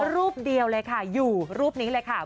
รูปเดียวเลยค่ะอยู่รูปนี้เลยค่ะ